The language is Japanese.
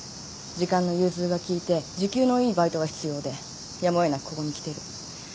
時間の融通が利いて時給のいいバイトが必要でやむを得なくここに来てる。